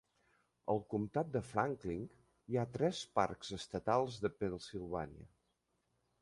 Al comtat de Franklin hi ha tres parcs estatals de Pennsilvània.